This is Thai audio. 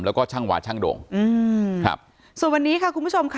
แล้วก็ช่างวาช่างโด่งอืมครับส่วนวันนี้ค่ะคุณผู้ชมค่ะ